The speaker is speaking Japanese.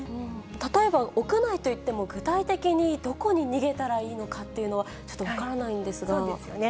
例えば屋内といっても、具体的にどこに逃げたらいいのかというのは、ちょっと分からないそうですよね。